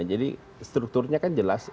nah jadi strukturnya kan jelas